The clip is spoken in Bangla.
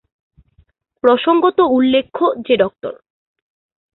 প্রসঙ্গত উল্লেখ্য যে ডঃ।